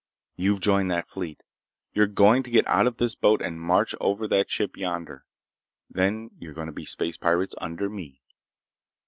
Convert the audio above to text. You've joined that fleet. You're going to get out of this boat and march over that ship yonder. Then you're going to be space pirates under me."